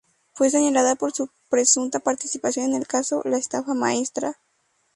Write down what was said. Fue señalada por su presunta participación en el caso "La estafa maestra".